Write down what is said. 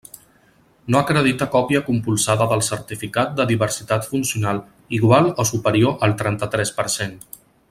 No acredita còpia compulsada del certificat de diversitat funcional igual o superior al trenta-tres per cent.